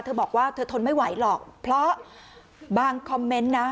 เธอบอกว่าเธอทนไม่ไหวหรอกเพราะบางคอมเมนต์นะ